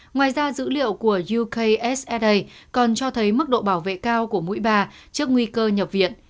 ngoài ra dữ liệu của youksa còn cho thấy mức độ bảo vệ cao của mũi bà trước nguy cơ nhập viện